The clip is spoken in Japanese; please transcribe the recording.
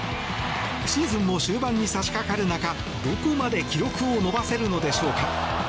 シーズンも終盤に差しかかる中どこまで記録を伸ばせるのでしょうか。